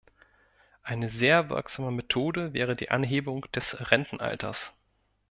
Eine sehr wirksame Methode wäre die Anhebung des Rentenalters.